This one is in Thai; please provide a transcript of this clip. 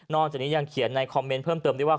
จากนี้ยังเขียนในคอมเมนต์เพิ่มเติมด้วยว่า